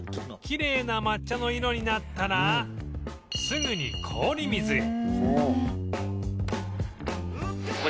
きれいな抹茶の色になったらすぐに氷水へ